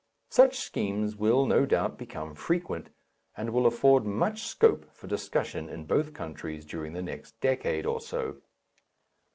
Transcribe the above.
Such schemes will, no doubt, become frequent, and will afford much scope for discussion in both countries during the next decade or so.